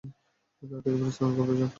তা দেখে ফেরেশতাগণ ঘাবড়ে যান।